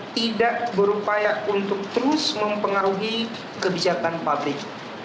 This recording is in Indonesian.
tidak berupaya untuk terus mempengaruhi kebijakan publik